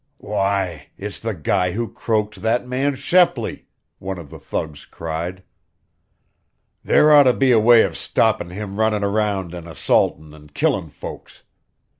"Why, it's the guy who croaked that man Shepley!" one of the thugs cried. "There ought to be a way of stoppin' him runnin' around and assaultin' and killin' folks.